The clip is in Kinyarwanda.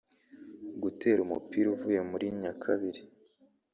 gutera umupira uvuye muri nyakabiri